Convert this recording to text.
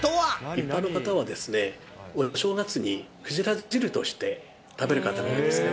一般の方は、お正月に鯨汁として食べる方が多いんですね。